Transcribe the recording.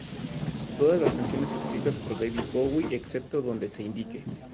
Todas las canciones escritas por David Bowie excepto donde se indique.